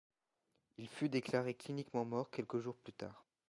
Il fut déclaré cliniquement mort quelques jours plus tard.